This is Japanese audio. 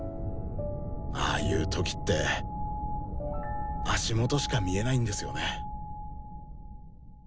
ああいう時って足元しか見えないんですよね。